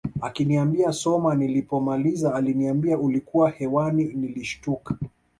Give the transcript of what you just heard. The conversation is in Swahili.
Akaniambia soma nilipomaliza aliambia ulikuwa hewani nilishtuka